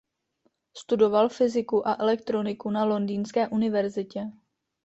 Studoval fyziku a elektroniku na Londýnské univerzitě.